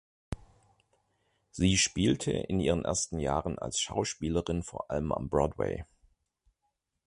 Sie spielte in ihren ersten Jahren als Schauspielerin vor allem am Broadway.